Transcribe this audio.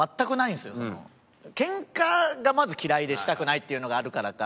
ケンカがまず嫌いでしたくないっていうのがあるからか